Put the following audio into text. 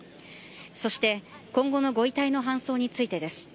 そして今後のご遺体の搬送についてです。